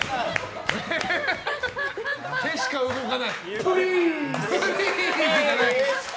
手しか動かない。